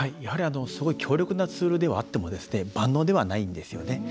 すごい強力なツールではあっても万能ではないんですよね。